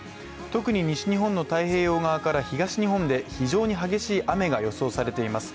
特に西日本の太平洋側から東日本で非常に激しい雨が予想されています。